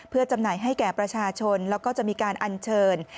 เพื่อจำหน่ายให้แก่ประชาชนแล้วก็จะมีการอัญเชิญ